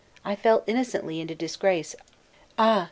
I fell innocently into disgrace; ah!